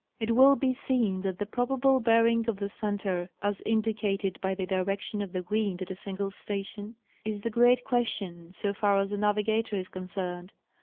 It will be seen that the probable bearing of the center, as indi cated by the direction of the wind at a single station, is the great question, so far as the navigator is concerned.